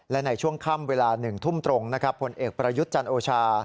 และในช่วงค่ำเวลา๑ทุ่มตรงนะครับผลเอกประยุทธ์จันทร์โอชา